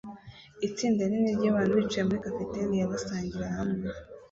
Itsinda rinini ryabantu bicaye muri cafeteria basangira hamwe